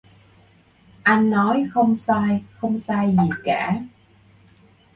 Anh nói không sai không sai gì cả